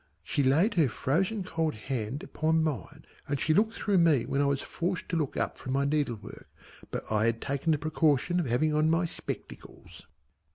She laid her frozen cold hand upon mine and she looked through me when I was forced to look up from my needlework, but I had taken the precaution of having on my spectacles.